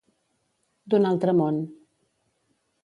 D'un altre món.